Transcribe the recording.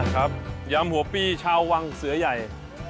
อะครับยำหัวปลีชาววังเสื้อใหญ่